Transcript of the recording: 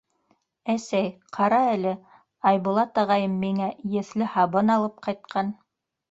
— Әсәй, ҡара әле, Айбулат ағайым миңә еҫле һабын алып ҡайтҡан.